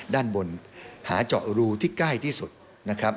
ด้านบนหาเจาะรูที่ใกล้ที่สุดนะครับ